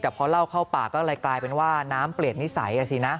แต่พอเล่าเข้าปากก็กลายเป็นว่าน้ำเปลี่ยนนิสัย